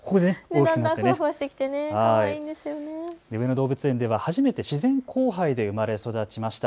上野動物園では初めて自然交配で生まれ育ちました。